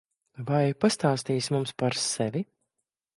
Vai pastāstīsi mums par sevi?